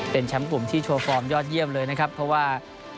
เป็นแชมป์กลุ่มที่โชว์ฟอร์มยอดเยี่ยมเลยนะครับเพราะว่า